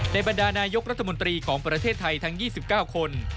บรรดานายกรัฐมนตรีของประเทศไทยทั้ง๒๙คน